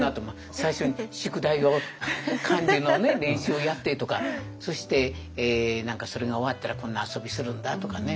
最初に宿題を漢字のね練習をやってとかそして何かそれが終わったらこんな遊びするんだとかね。